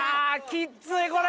きっつい、これ。